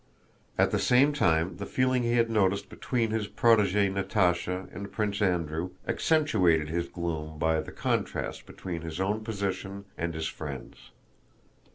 At the same time the feeling he had noticed between his protégée Natásha and Prince Andrew accentuated his gloom by the contrast between his own position and his friend's.